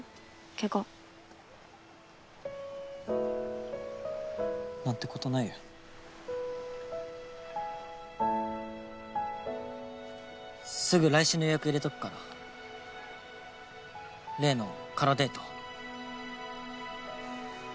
けがなんてことないよすぐ来週の予約入れとくから例の空デート